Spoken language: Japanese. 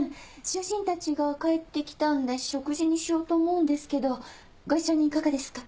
主人たちが帰って来たんで食事にしようと思うんですけどご一緒にいかがですか？